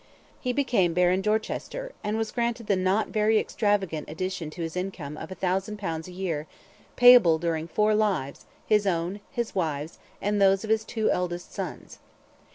He became Baron Dorchester and was granted the not very extravagant addition to his income of a thousand pounds a year payable during four lives, his own, his wife's, and those of his two eldest sons.